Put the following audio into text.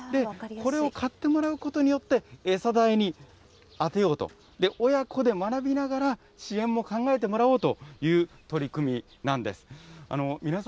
これを買ってもらうことによって、餌代に充てようと、親子で学びながら支援も考えてもらおうという取り組みなんです。